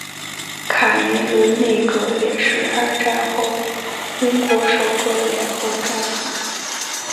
卡梅伦内阁也是二战后英国首个联合政府。